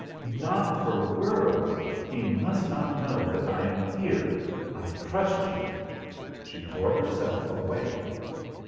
"Not for worlds. He must not know that I am here. I trust you." She tore herself away.